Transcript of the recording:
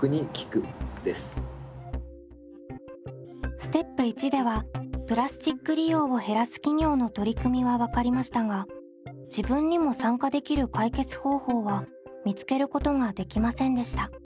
ステップ①ではプラスチック利用を減らす企業の取り組みは分かりましたが自分にも参加できる解決方法は見つけることができませんでした。